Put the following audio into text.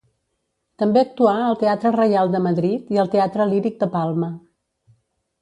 També actuà al Teatre Reial de Madrid i al Teatre Líric de Palma.